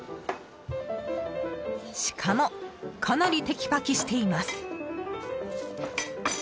しかもかなりテキパキしています。